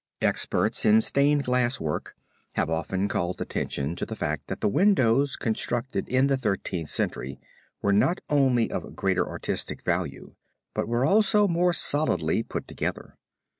Experts in stained glass work have often called attention to the fact that the windows constructed in the Thirteenth Century were not only of greater artistic value but were also more solidly put together.